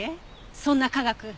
そんな科学